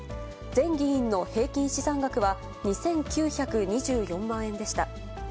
全議員の平均資産額は２９２４万円でした。